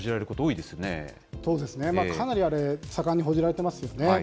そうですね、かなり盛んに報じられていますよね。